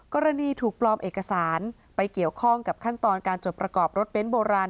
กรณีถูกปลอมเอกสารไปเกี่ยวข้องกับขั้นตอนการจดประกอบรถเบ้นโบราณ